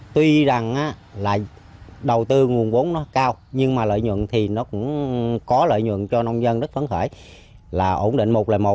tuy rằng là đầu tư nguồn vốn nó cao nhưng mà lợi nhuận thì nó cũng có lợi nhuận cho nông dân rất phấn khởi là ổn định một trăm linh một